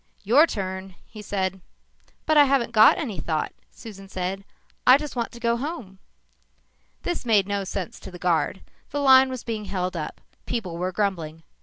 "Your turn," he said. "But I haven't got any thought," Susan said. "I just want to go home." This made no sense to the guard. The line was being held up. People were grumbling.